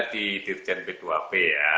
di dirjen p dua p ya